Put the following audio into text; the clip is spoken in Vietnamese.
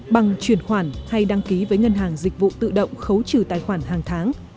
bằng truyền khoản hay đăng ký với ngân hàng dịch vụ tự động khấu trừ tài khoản hàng tháng